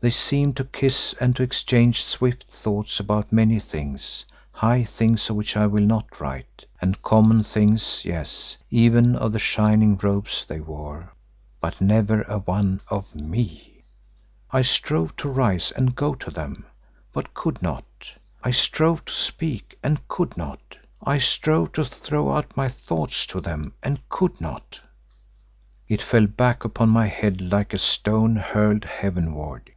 They seemed to kiss and to exchange swift thoughts about many things, high things of which I will not write, and common things; yes, even of the shining robes they wore, but never a one of me! I strove to rise and go to them, but could not; I strove to speak and could not; I strove to throw out my thought to them and could not; it fell back upon my head like a stone hurled heavenward.